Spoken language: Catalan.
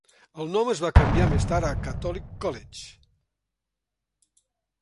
El nom es va canviar més tard a Catholic College.